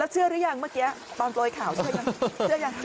เชื่อหรือยังเมื่อกี้ตอนโปรยข่าวใช่ไหมเชื่อยัง